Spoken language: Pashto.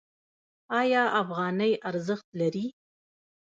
آیا افغانۍ ارزښت لري؟